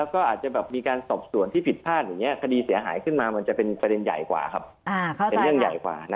ก็อาจจะมีการสอบส่วนที่ผิดพลาดอย่างงี้